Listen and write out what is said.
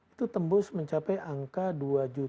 itu tembus mencapai angka dua delapan ratus tujuh puluh lebih